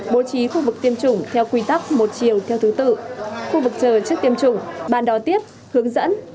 bố trí khu vực tiêm chủng theo quy tắc một chiều theo thứ tự khu vực chờ trước tiêm chủng ban đón tiếp hướng dẫn